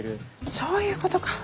そういうことか。